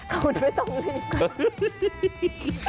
เขาไม่ต้องลีบไป